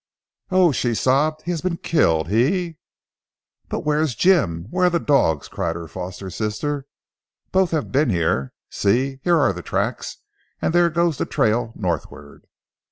"Oh!" she sobbed. "He has been killed. He " "But where is Jim? Where are the dogs?" cried her foster sister. "Both have been here! See, here are the tracks, and there goes the trail northward!"